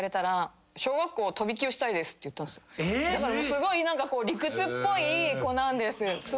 だからすごい理屈っぽい子なんです。